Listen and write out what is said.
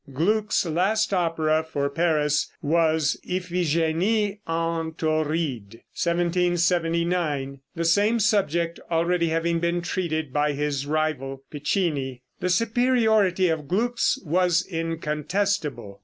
Gluck's last opera for Paris was "Iphigenie en Tauride," 1779, the same subject already having been treated by his rival Piccini. The superiority of Gluck's was incontestable.